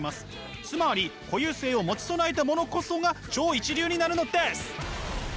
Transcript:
つまり固有性を持ち備えた者こそが超一流になるのです！